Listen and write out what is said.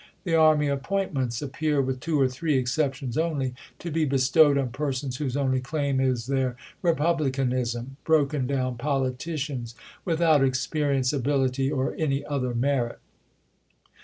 The army appointments appear (with two or three excep tions only) to be bestowed on persons whose only claim is their Republicanism — broken down politicians without experience, ability, or any other merit.